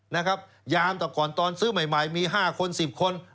ยามแต่ก่อนตอนซื้อใหม่มี๕คน๑๐คน